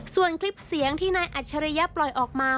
ส่วนคลิปเสียงที่นายอัจฉริยะปล่อยออกมา